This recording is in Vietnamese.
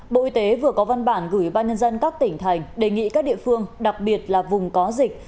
bộ y tế vừa có văn bản gửi ba nhân dân các tỉnh thành đề nghị các địa phương đặc biệt là vùng có dịch